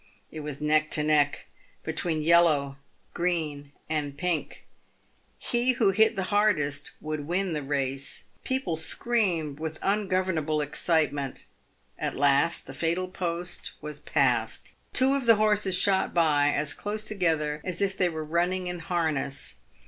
It was neck to neck between Yellow, Green, and Pink. He who hit the hardest would win the race. People screamed with ungovern able excitement. At last the fatal post was passed. Two of the horses shot by as close together as if they were running in harness.